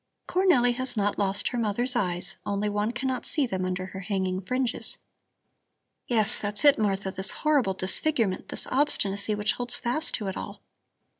Cornelli has not lost her mother's eyes, only one cannot see them under her hanging fringes." "Yes, that's it, Martha, this horrible disfigurement, this obstinacy which holds fast to it all.